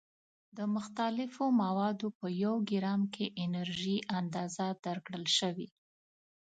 د مختلفو موادو په یو ګرام کې انرژي اندازه درکړل شوې.